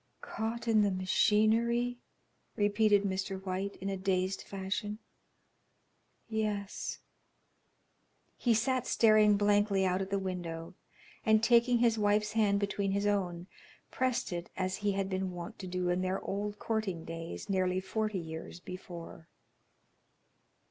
"Caught in the machinery," repeated Mr. White, in a dazed fashion, "yes." He sat staring blankly out at the window, and taking his wife's hand between his own, pressed it as he had been wont to do in their old courting days nearly forty years before.